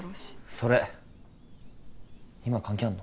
それ今関係あんの？